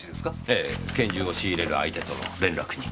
ええ拳銃を仕入れる相手との連絡に。